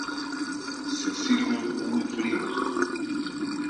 Se sirve muy frío.